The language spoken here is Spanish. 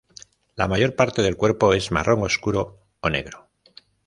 La mayor parte del cuerpo es marrón oscuro o negro.